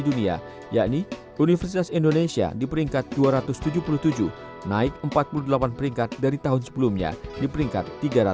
dunia yakni universitas indonesia di peringkat dua ratus tujuh puluh tujuh naik empat puluh delapan peringkat dari tahun sebelumnya di peringkat tiga ratus